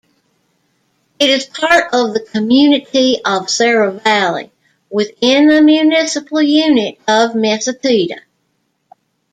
It is part of the community of Saravali within the municipal unit of Messatida.